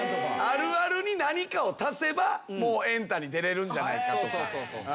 あるあるに何かを足せば『エンタ』に出られるんじゃないかとか。